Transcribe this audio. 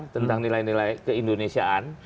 tentang nilai nilai keindonesiaan